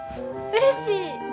うれしい。